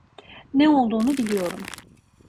Ne olduğunu biliyorum.